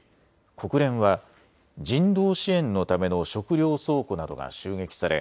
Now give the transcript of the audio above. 国連は人道支援のための食料倉庫などが襲撃され